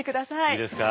いいですか。